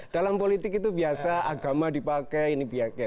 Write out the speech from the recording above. dalam politik itu biasa agama dipakai ini biaya